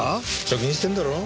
貯金してんだろ？